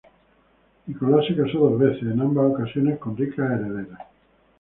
Nicolás se casó dos veces, en ambas ocasiones con ricas herederas.